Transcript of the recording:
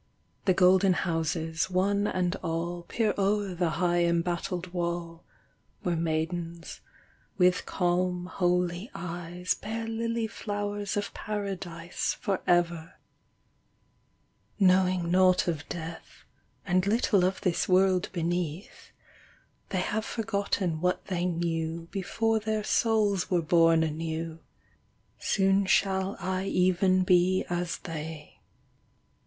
The golden houses, one and all Peer o'er the high embattled wall, Where maidens with calm, holy eyes Bear lily flowers of Paradise For ever : knowing naught of death, And little of this world beneath They have forgotten what they knew Before their souls were born anew ; Soon shall I even be as they.